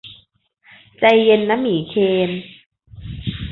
ใจเย็นนะหมีเคน